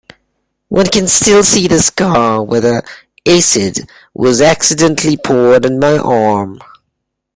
One can still see the scar where the acid was accidentally poured on my arm.